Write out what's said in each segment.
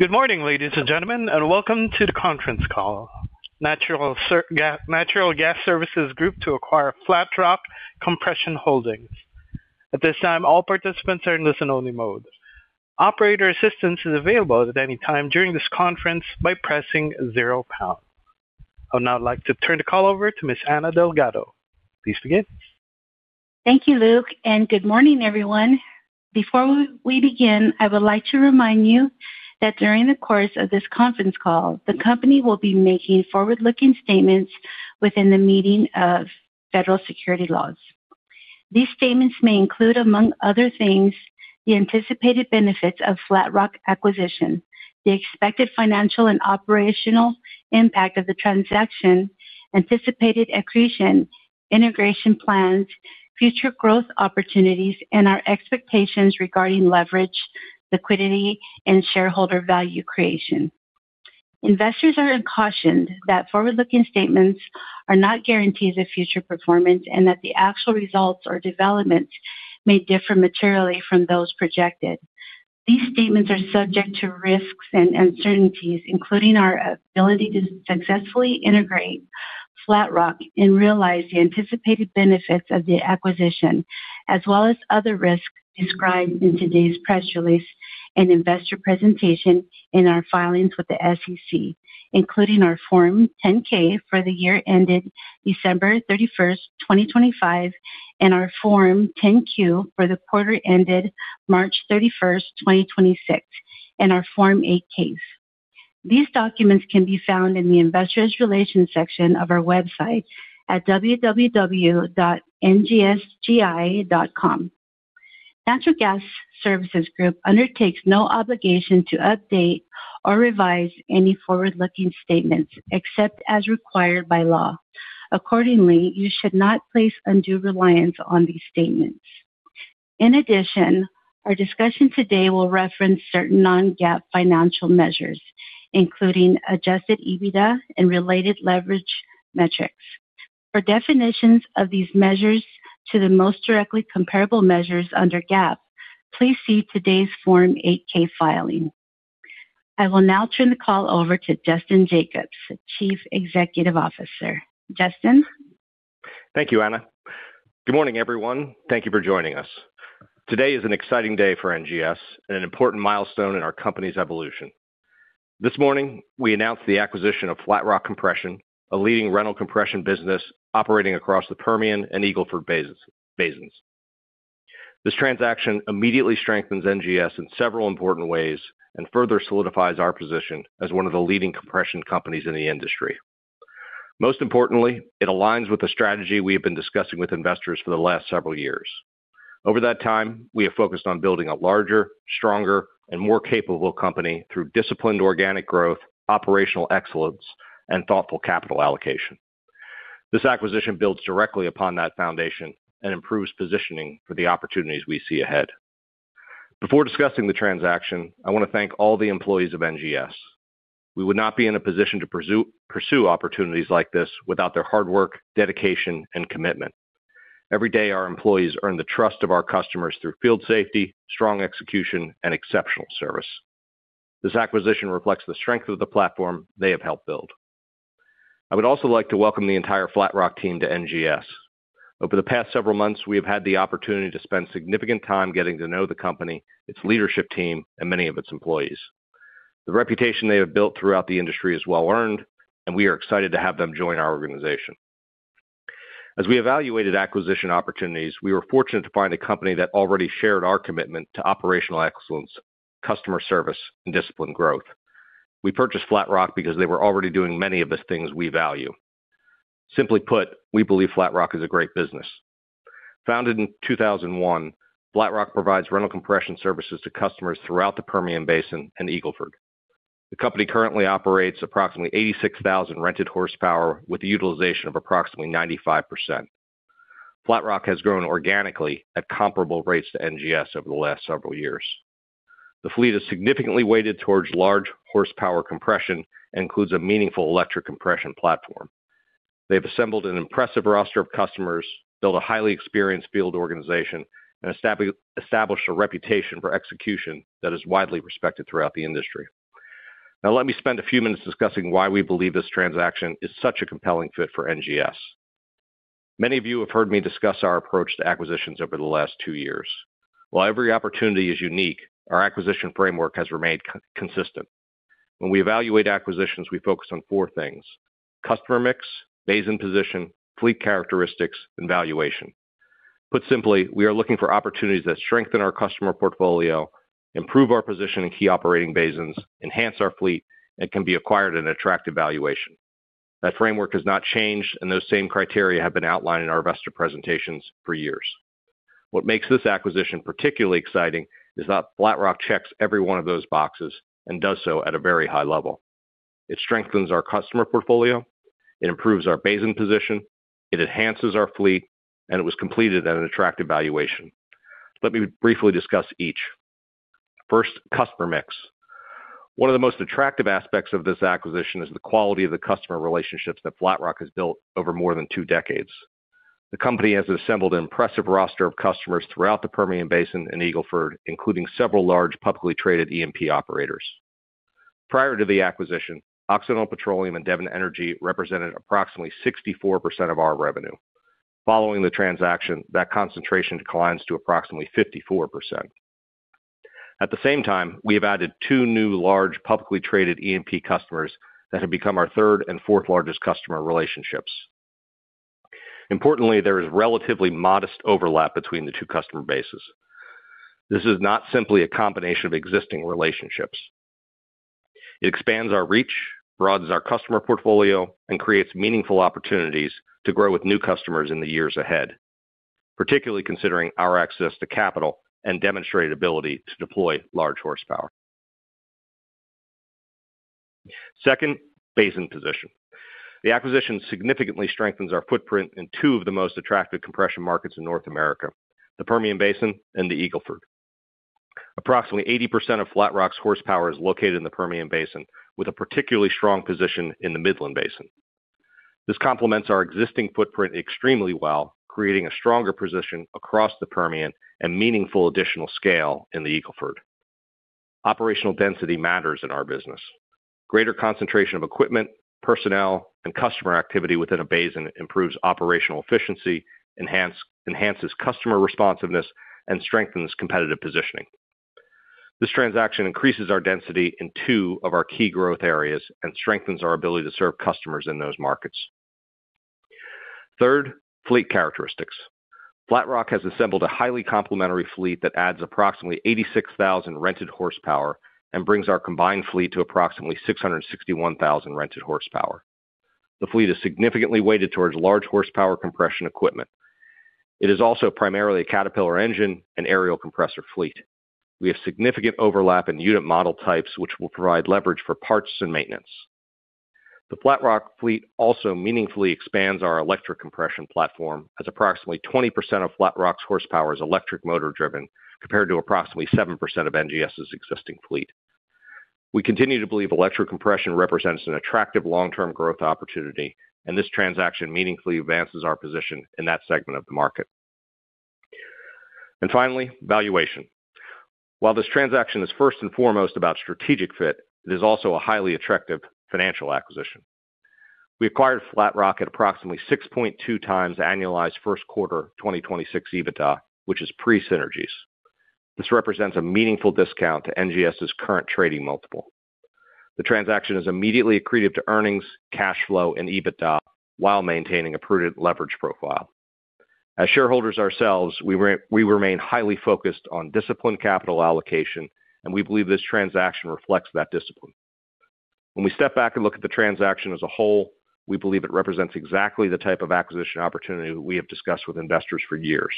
Good morning, ladies and gentlemen. Welcome to the conference call. Natural Gas Services Group to acquire Flatrock Compression Holdings. At this time, all participants are in listen-only mode. Operator assistance is available at any time during this conference by pressing zero pound. I would now like to turn the call over to Ms. Anna Delgado. Please begin. Thank you, Luke. Good morning, everyone. Before we begin, I would like to remind you that during the course of this conference call, the company will be making forward-looking statements within the meaning of federal securities laws. These statements may include, among other things, the anticipated benefits of Flatrock acquisition, the expected financial and operational impact of the transaction, anticipated accretion, integration plans, future growth opportunities, and our expectations regarding leverage, liquidity, and shareholder value creation. Investors are cautioned that forward-looking statements are not guarantees of future performance and that the actual results or developments may differ materially from those projected. These statements are subject to risks and uncertainties, including our ability to successfully integrate Flatrock and realize the anticipated benefits of the acquisition, as well as other risks described in today's press release and investor presentation in our filings with the SEC, including our Form 10-K for the year ended December 31st, 2025, and our Form 10-Q for the quarter ended March 31st, 2026, and our Form 8-Ks. These documents can be found in the investor relations section of our website at www.ngsgi.com. Natural Gas Services Group undertakes no obligation to update or revise any forward-looking statements except as required by law. Accordingly, you should not place undue reliance on these statements. In addition, our discussion today will reference certain non-GAAP financial measures, including adjusted EBITDA and related leverage metrics. For definitions of these measures to the most directly comparable measures under GAAP, please see today's Form 8-K filing. I will now turn the call over to Justin Jacobs, the Chief Executive Officer. Justin? Thank you, Anna. Good morning, everyone. Thank you for joining us. Today is an exciting day for NGS and an important milestone in our company's evolution. This morning, we announced the acquisition of Flatrock Compression, a leading rental compression business operating across the Permian Basin and Eagle Ford. This transaction immediately strengthens NGS in several important ways and further solidifies our position as one of the leading compression companies in the industry. Most importantly, it aligns with the strategy we have been discussing with investors for the last several years. Over that time, we have focused on building a larger, stronger, and more capable company through disciplined organic growth, operational excellence, and thoughtful capital allocation. This acquisition builds directly upon that foundation and improves positioning for the opportunities we see ahead. Before discussing the transaction, I want to thank all the employees of NGS. We would not be in a position to pursue opportunities like this without their hard work, dedication, and commitment. Every day, our employees earn the trust of our customers through field safety, strong execution, and exceptional service. This acquisition reflects the strength of the platform they have helped build. I would also like to welcome the entire Flatrock team to NGS. Over the past several months, we have had the opportunity to spend significant time getting to know the company, its leadership team, and many of its employees. The reputation they have built throughout the industry is well-earned, and we are excited to have them join our organization. As we evaluated acquisition opportunities, we were fortunate to find a company that already shared our commitment to operational excellence, customer service, and disciplined growth. We purchased Flatrock because they were already doing many of the things we value. Simply put, we believe Flatrock is a great business. Founded in 2001, Flatrock provides rental compression services to customers throughout the Permian Basin and Eagle Ford. The company currently operates approximately 86,000 rented horsepower with a utilization of approximately 95%. Flatrock has grown organically at comparable rates to NGS over the last several years. The fleet is significantly weighted towards large horsepower compression and includes a meaningful electric compression platform. They've assembled an impressive roster of customers, built a highly experienced field organization, and established a reputation for execution that is widely respected throughout the industry. Now let me spend a few minutes discussing why we believe this transaction is such a compelling fit for NGS. Many of you have heard me discuss our approach to acquisitions over the last two years. While every opportunity is unique, our acquisition framework has remained consistent. When we evaluate acquisitions, we focus on four things: customer mix, basin position, fleet characteristics, and valuation. Put simply, we are looking for opportunities that strengthen our customer portfolio, improve our position in key operating basins, enhance our fleet, and can be acquired at an attractive valuation. That framework has not changed, and those same criteria have been outlined in our investor presentations for years. What makes this acquisition particularly exciting is that Flatrock checks every one of those boxes and does so at a very high level. It strengthens our customer portfolio, it improves our basin position, it enhances our fleet, and it was completed at an attractive valuation. Let me briefly discuss each. First, customer mix. One of the most attractive aspects of this acquisition is the quality of the customer relationships that Flatrock has built over more than two decades. The company has assembled an impressive roster of customers throughout the Permian Basin and Eagle Ford, including several large publicly traded E&P operators. Prior to the acquisition, Occidental Petroleum and Devon Energy represented approximately 64% of our revenue. Following the transaction, that concentration declines to approximately 54%. At the same time, we have added two new large publicly traded E&P customers that have become our third and fourth largest customer relationships. Importantly, there is relatively modest overlap between the two customer bases. This is not simply a combination of existing relationships. It expands our reach, broadens our customer portfolio, and creates meaningful opportunities to grow with new customers in the years ahead, particularly considering our access to capital and demonstrated ability to deploy large horsepower. Second, basin position. The acquisition significantly strengthens our footprint in two of the most attractive compression markets in North America, the Permian Basin and the Eagle Ford. Approximately 80% of Flat Rock's horsepower is located in the Permian Basin, with a particularly strong position in the Midland Basin. This complements our existing footprint extremely well, creating a stronger position across the Permian and meaningful additional scale in the Eagle Ford. Operational density matters in our business. Greater concentration of equipment, personnel, and customer activity within a basin improves operational efficiency, enhances customer responsiveness, and strengthens competitive positioning. This transaction increases our density in two of our key growth areas and strengthens our ability to serve customers in those markets. Third, fleet characteristics. Flat Rock has assembled a highly complementary fleet that adds approximately 86,000 rented horsepower and brings our combined fleet to approximately 661,000 rented horsepower. The fleet is significantly weighted towards large horsepower compression equipment. It is also primarily a Caterpillar engine and Ariel compressor fleet. We have significant overlap in unit model types, which will provide leverage for parts and maintenance. The Flat Rock fleet also meaningfully expands our electric compression platform, as approximately 20% of Flat Rock's horsepower is electric motor driven, compared to approximately 7% of NGS's existing fleet. We continue to believe electric compression represents an attractive long-term growth opportunity, this transaction meaningfully advances our position in that segment of the market. Finally, valuation. While this transaction is first and foremost about strategic fit, it is also a highly attractive financial acquisition. We acquired Flat Rock at approximately 6.2 times annualized first quarter 2026 EBITDA, which is pre-synergies. This represents a meaningful discount to NGS's current trading multiple. The transaction is immediately accretive to earnings, cash flow, and EBITDA while maintaining a prudent leverage profile. As shareholders ourselves, we remain highly focused on disciplined capital allocation, and we believe this transaction reflects that discipline. When we step back and look at the transaction as a whole, we believe it represents exactly the type of acquisition opportunity we have discussed with investors for years.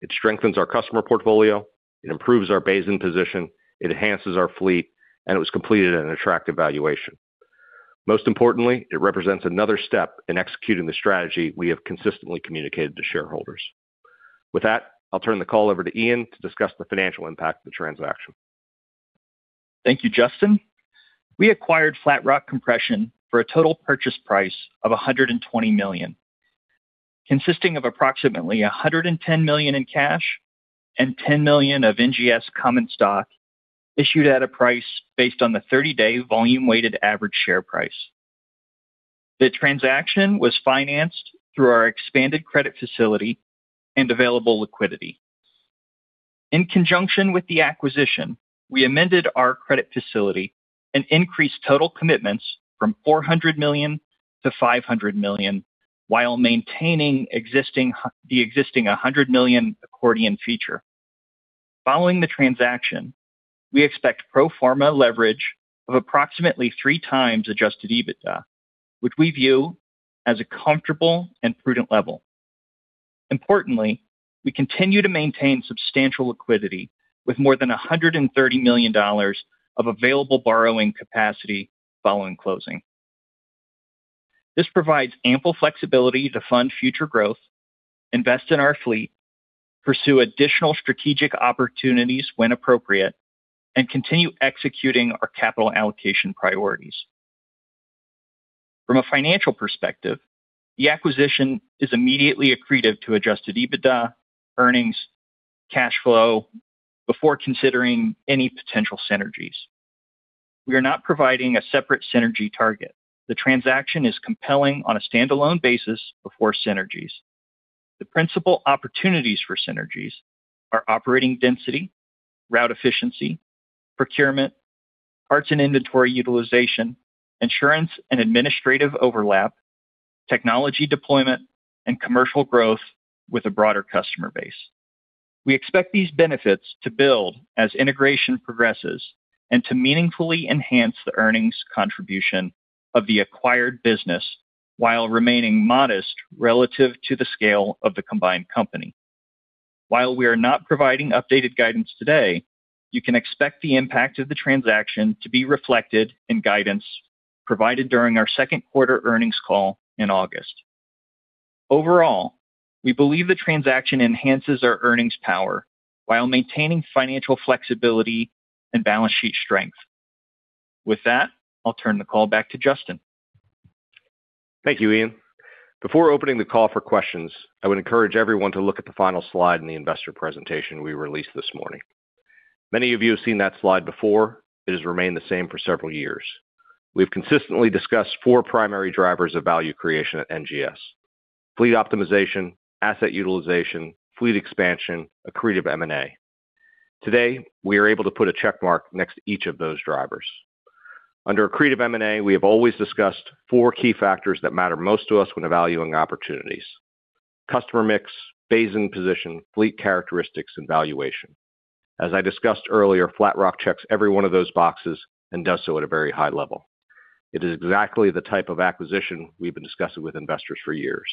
It strengthens our customer portfolio, it improves our basin position, it enhances our fleet, and it was completed at an attractive valuation. Most importantly, it represents another step in executing the strategy we have consistently communicated to shareholders. With that, I'll turn the call over to Ian to discuss the financial impact of the transaction. Thank you, Justin. We acquired Flatrock Compression for a total purchase price of $120 million, consisting of approximately $110 million in cash and $10 million of NGS common stock issued at a price based on the 30-day volume-weighted average share price. The transaction was financed through our expanded credit facility and available liquidity. In conjunction with the acquisition, we amended our credit facility and increased total commitments from $400 million to $500 million while maintaining the existing $100 million accordion feature. Following the transaction, we expect pro forma leverage of approximately 3x adjusted EBITDA, which we view as a comfortable and prudent level. Importantly, we continue to maintain substantial liquidity with more than $130 million of available borrowing capacity following closing. This provides ample flexibility to fund future growth, invest in our fleet, pursue additional strategic opportunities when appropriate, and continue executing our capital allocation priorities. From a financial perspective, the acquisition is immediately accretive to adjusted EBITDA, earnings, cash flow, before considering any potential synergies. We are not providing a separate synergy target. The transaction is compelling on a standalone basis before synergies. The principal opportunities for synergies are operating density, route efficiency, procurement, parts and inventory utilization, insurance and administrative overlap, technology deployment, and commercial growth with a broader customer base. We expect these benefits to build as integration progresses and to meaningfully enhance the earnings contribution of the acquired business while remaining modest relative to the scale of the combined company. While we are not providing updated guidance today, you can expect the impact of the transaction to be reflected in guidance provided during our second quarter earnings call in August. Overall, we believe the transaction enhances our earnings power while maintaining financial flexibility and balance sheet strength. With that, I'll turn the call back to Justin. Thank you, Ian. Before opening the call for questions, I would encourage everyone to look at the final slide in the investor presentation we released this morning. Many of you have seen that slide before. It has remained the same for several years. We've consistently discussed four primary drivers of value creation at NGS: fleet optimization, asset utilization, fleet expansion, accretive M&A. Today, we are able to put a check mark next to each of those drivers. Under accretive M&A, we have always discussed four key factors that matter most to us when evaluating opportunities: customer mix, basin position, fleet characteristics, and valuation. As I discussed earlier, Flatrock checks every one of those boxes and does so at a very high level. It is exactly the type of acquisition we've been discussing with investors for years.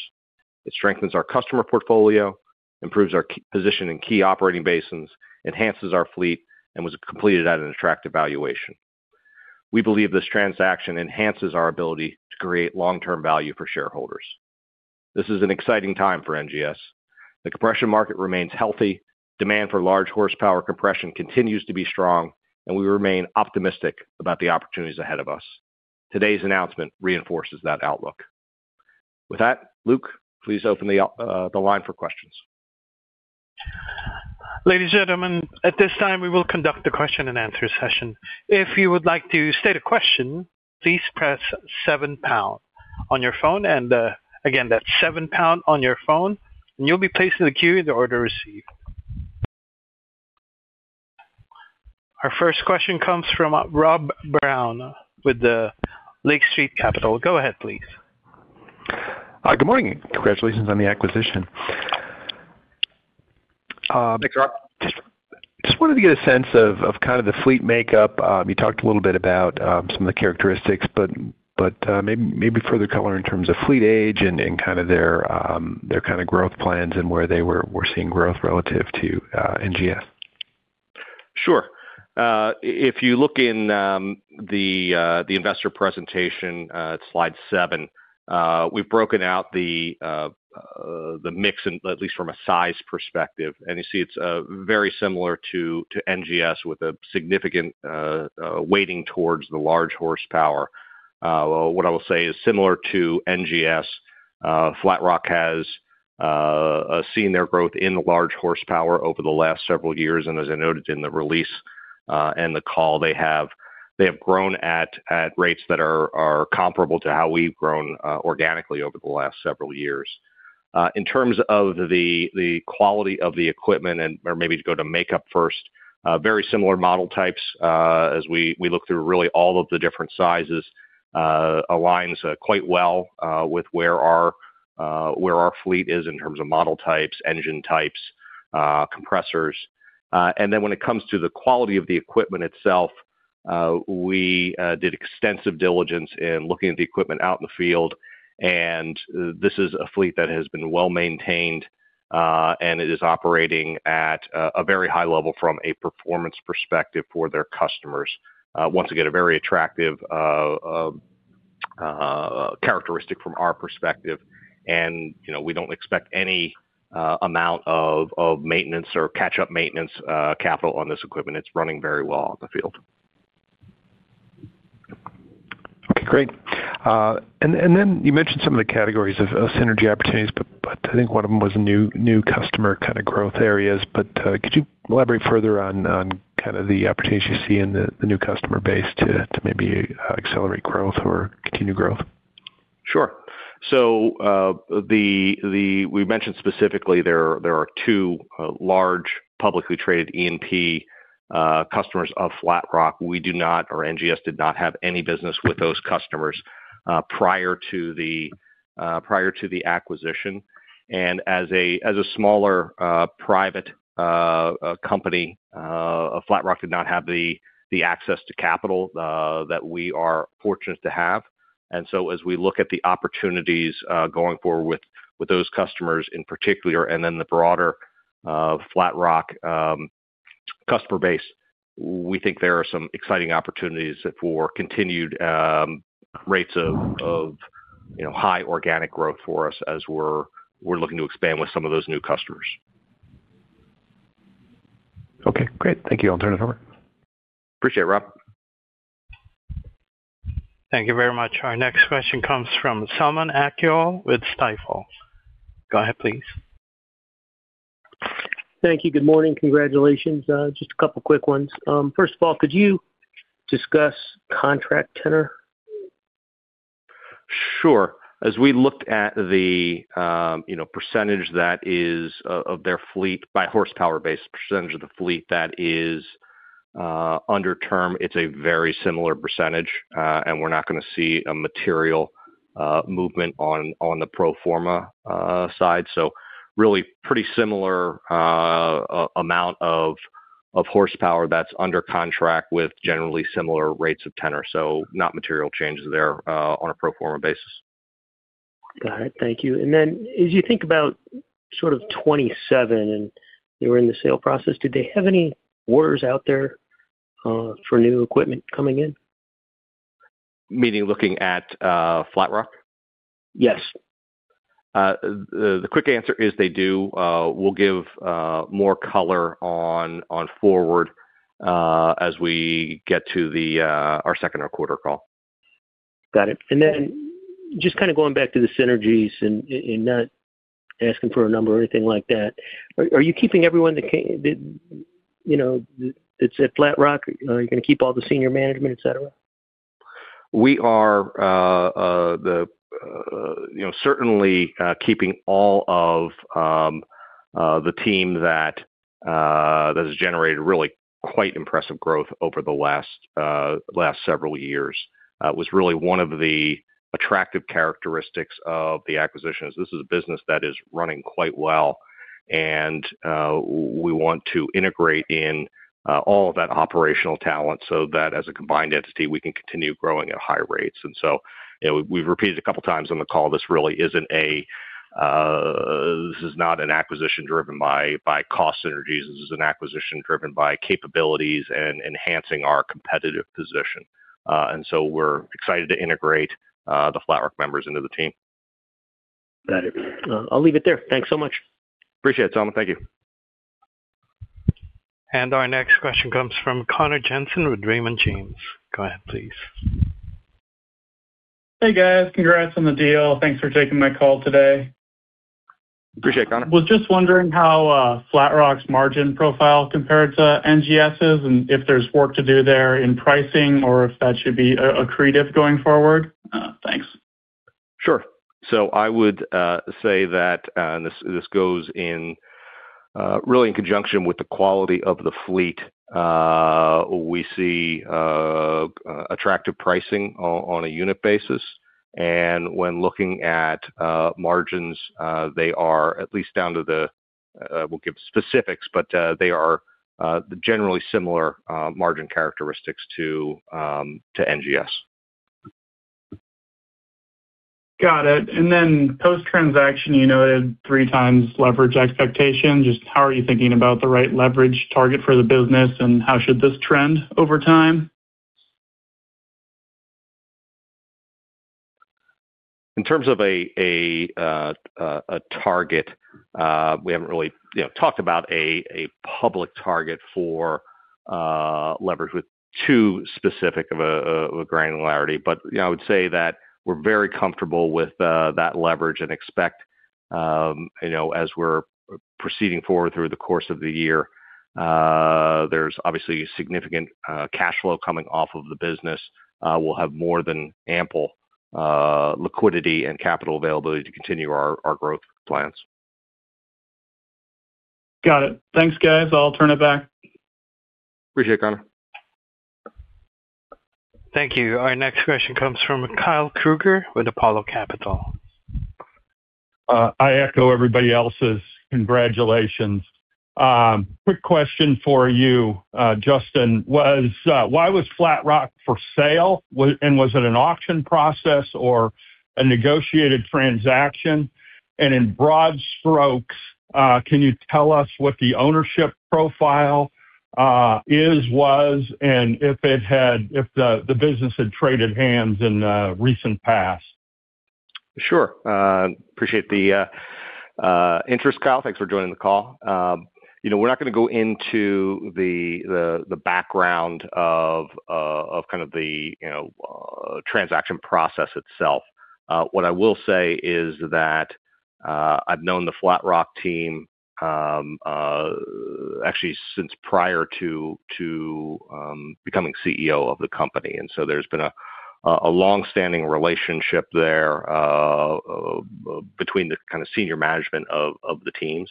It strengthens our customer portfolio, improves our position in key operating basins, enhances our fleet, and was completed at an attractive valuation. We believe this transaction enhances our ability to create long-term value for shareholders. This is an exciting time for NGS. The compression market remains healthy. Demand for large horsepower compression continues to be strong, and we remain optimistic about the opportunities ahead of us. Today's announcement reinforces that outlook. With that, Luke, please open the line for questions. Ladies and gentlemen, at this time, we will conduct a question and answer session. If you would like to state a question, please press seven, pound on your phone. Again, that's seven, pound on your phone, and you'll be placed in the queue in the order received. Our first question comes from Rob Brown with the Lake Street Capital Markets. Go ahead, please. Good morning. Congratulations on the acquisition. Thanks, Rob. Just wanted to get a sense of kind of the fleet makeup. You talked a little bit about some of the characteristics, but maybe further color in terms of fleet age and their kind of growth plans and where they were seeing growth relative to NGS. Sure. If you look in the investor presentation, slide seven, we've broken out the mix, at least from a size perspective. You see it's very similar to NGS with a significant weighting towards the large horsepower. What I will say is similar to NGS, Flatrock has seen their growth in large horsepower over the last several years, and as I noted in the release and the call, they have grown at rates that are comparable to how we've grown organically over the last several years. In terms of the quality of the equipment or maybe to go to makeup first, very similar model types. As we look through really all of the different sizes, aligns quite well with where our fleet is in terms of model types, engine types, compressors. When it comes to the quality of the equipment itself, we did extensive diligence in looking at the equipment out in the field, and this is a fleet that has been well-maintained, and it is operating at a very high level from a performance perspective for their customers. Once again, a very attractive characteristic from our perspective. We don't expect any amount of maintenance or catch-up maintenance capital on this equipment. It's running very well out in the field. Okay, great. You mentioned some of the categories of synergy opportunities, but I think one of them was new customer kind of growth areas. Could you elaborate further on kind of the opportunities you see in the new customer base to maybe accelerate growth or continue growth? We mentioned specifically there are two large publicly traded E&P customers of Flatrock. We do not, or NGS did not have any business with those customers prior to the acquisition. As a smaller private company, Flatrock did not have the access to capital that we are fortunate to have. As we look at the opportunities going forward with those customers in particular and then the broader Flatrock customer base, we think there are some exciting opportunities for continued rates of high organic growth for us as we're looking to expand with some of those new customers. Okay, great. Thank you. I'll turn it over. Appreciate it, Rob. Thank you very much. Our next question comes from Selman Akyol with Stifel. Go ahead, please. Thank you. Good morning. Congratulations. Just a couple of quick ones. First of all, could you discuss contract tenor? Sure. As we looked at the percentage of their fleet by horsepower base, percentage of the fleet that is under term, it's a very similar percentage. We're not going to see a material movement on the pro forma side. Really pretty similar amount of horsepower that's under contract with generally similar rates of tenor. Not material changes there on a pro forma basis. Got it. Thank you. Then as you think about sort of 2027, and you were in the sale process, did they have any orders out there for new equipment coming in? Meaning looking at Flatrock? Yes. The quick answer is they do. We'll give more color on forward as we get to our second or quarter call. Got it. Then just kind of going back to the synergies and not asking for a number or anything like that. Are you keeping everyone that's at Flatrock? Are you going to keep all the senior management, et cetera? We are certainly keeping all of the team that has generated really quite impressive growth over the last several years. Was really one of the attractive characteristics of the acquisition is this is a business that is running quite well, we want to integrate in all of that operational talent so that as a combined entity, we can continue growing at high rates. So, we've repeated a couple of times on the call, this is not an acquisition driven by cost synergies. This is an acquisition driven by capabilities and enhancing our competitive position. So we're excited to integrate the Flatrock members into the team. Got it. I'll leave it there. Thanks so much. Appreciate it, Thomas. Thank you. Our next question comes from Connor Jensen with Raymond James. Go ahead, please. Hey, guys. Congrats on the deal. Thanks for taking my call today. Appreciate it, Connor. I was just wondering how Flatrock's margin profile compared to NGS's, if there's work to do there in pricing or if that should be accretive going forward? Thanks. Sure. I would say that, this goes really in conjunction with the quality of the fleet. We see attractive pricing on a unit basis, when looking at margins, they are at least we'll give specifics, but they are generally similar margin characteristics to NGS. Got it. Post-transaction, you noted 3 times leverage expectation. How are you thinking about the right leverage target for the business, how should this trend over time? In terms of a target, we haven't really talked about a public target for leverage with too specific of a granularity. I would say that we're very comfortable with that leverage and expect as we're proceeding forward through the course of the year, there's obviously significant cash flow coming off of the business. We'll have more than ample liquidity and capital availability to continue our growth plans. Got it. Thanks, guys. I'll turn it back. Appreciate it, Connor. Thank you. Our next question comes from Kyle Krueger with Apollo Capital. I echo everybody else's congratulations. Quick question for you, Justin, was why was Flatrock for sale? Was it an auction process or a negotiated transaction? In broad strokes, can you tell us what the ownership profile is, was, and if the business had traded hands in the recent past? Sure. Appreciate the interest, Kyle. Thanks for joining the call. We're not going to go into the background of kind of the transaction process itself. What I will say is that I've known the Flatrock team actually since prior to becoming CEO of the company. So there's been a long-standing relationship there between the kind of senior management of the teams.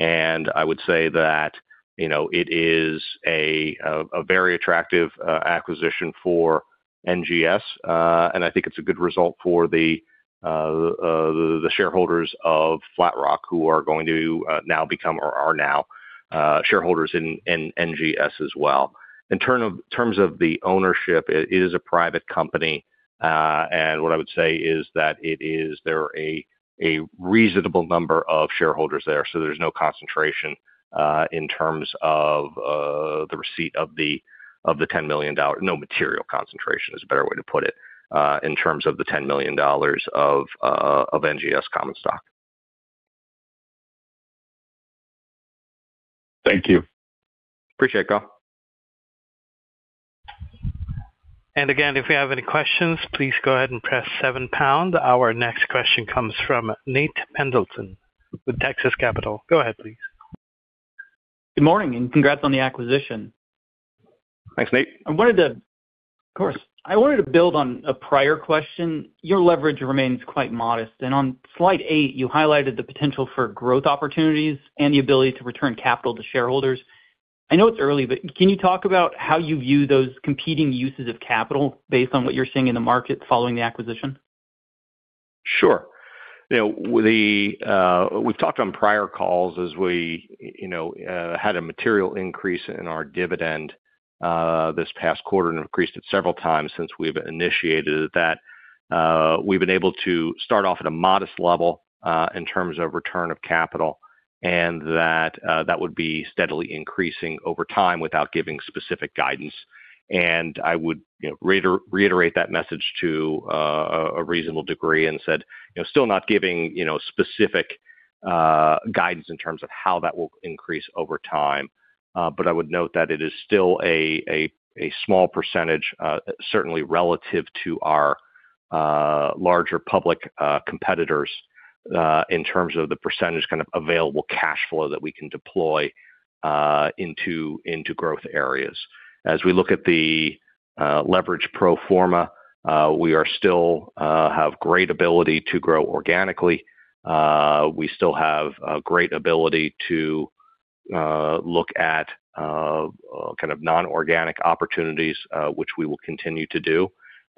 I would say that it is a very attractive acquisition for NGS. I think it's a good result for the shareholders of Flatrock who are going to now become or are now shareholders in NGS as well. In terms of the ownership, it is a private company. What I would say is that there are a reasonable number of shareholders there, so there's no concentration in terms of the receipt of the $10 million. No material concentration is a better way to put it, in terms of the $10 million of NGS common stock. Thank you. Appreciate it, Kyle. If you have any questions, please go ahead and press seven pound. Our next question comes from Nate Pendleton with Texas Capital. Go ahead, please. Good morning, congrats on the acquisition. Thanks, Nate. Of course. I wanted to build on a prior question. Your leverage remains quite modest, on slide eight, you highlighted the potential for growth opportunities and the ability to return capital to shareholders. I know it's early, but can you talk about how you view those competing uses of capital based on what you're seeing in the market following the acquisition? Sure. We've talked on prior calls as we had a material increase in our dividend this past quarter and increased it several times since we've initiated that. We've been able to start off at a modest level in terms of return of capital, and that would be steadily increasing over time without giving specific guidance. I would reiterate that message to a reasonable degree and said, still not giving specific guidance in terms of how that will increase over time. I would note that it is still a small percentage certainly relative to our larger public competitors in terms of the percentage kind of available cash flow that we can deploy into growth areas. As we look at the leverage pro forma, we still have great ability to grow organically. We still have a great ability to look at kind of non-organic opportunities, which we will continue to do.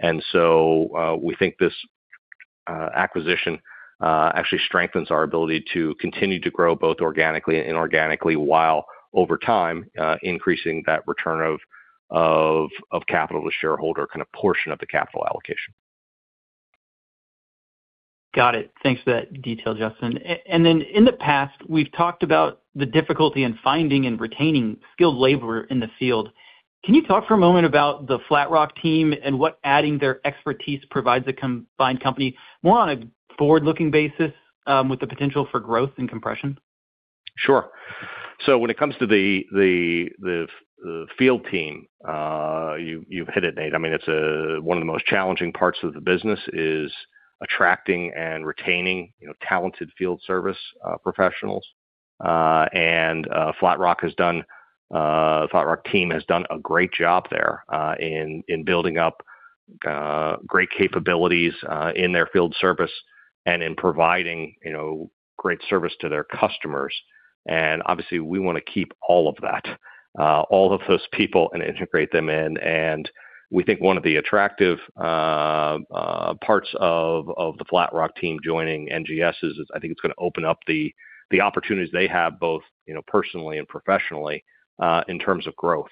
We think this acquisition actually strengthens our ability to continue to grow both organically and inorganically while over time increasing that return of capital to shareholder kind of portion of the capital allocation. Got it. Thanks for that detail, Justin. In the past, we've talked about the difficulty in finding and retaining skilled labor in the field. Can you talk for a moment about the Flatrock team and what adding their expertise provides a combined company more on a forward-looking basis with the potential for growth and compression? Sure. When it comes to the field team, you've hit it, Nate. I mean, one of the most challenging parts of the business is attracting and retaining talented field service professionals. The Flatrock team has done a great job there in building up great capabilities in their field service and in providing great service to their customers. Obviously, we want to keep all of that, all of those people and integrate them in. We think one of the attractive parts of the Flatrock team joining NGS is I think it's going to open up the opportunities they have, both personally and professionally in terms of growth.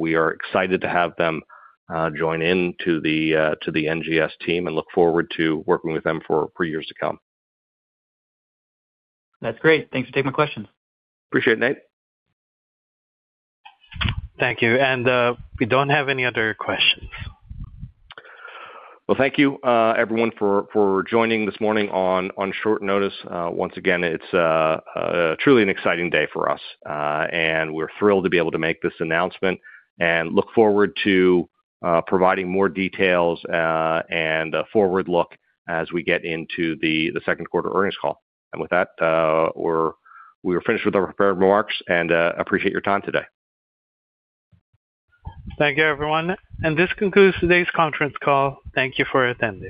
We are excited to have them join into the NGS team and look forward to working with them for years to come. That's great. Thanks for taking my questions. Appreciate it, Nate. Thank you. We don't have any other questions. Well, thank you everyone for joining this morning on short notice. Once again, it's truly an exciting day for us. We're thrilled to be able to make this announcement and look forward to providing more details and a forward look as we get into the second quarter earnings call. With that, we are finished with our prepared remarks and appreciate your time today. Thank you everyone, and this concludes today's conference call. Thank you for attending.